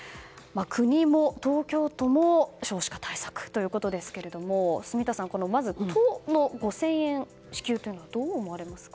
国も東京都も少子化対策ということですけれども住田さん、都の５０００円支給をどう思われますか。